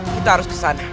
kita harus kesana